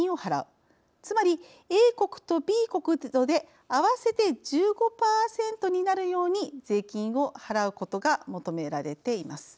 つまりＡ国とＢ国とで合わせて１５％になるように税金を払うことが求められています。